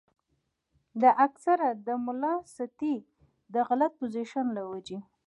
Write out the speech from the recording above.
دا اکثر د ملاستې د غلط پوزيشن له وجې